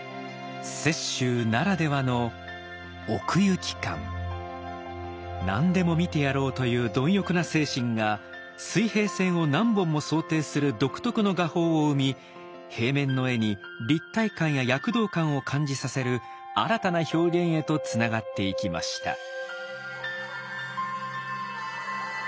雪舟ならではの「何でも見てやろう」という貪欲な精神が水平線を何本も想定する独特の画法を生み平面の絵に立体感や躍動感を感じさせる新たな表現へとつながっていきました。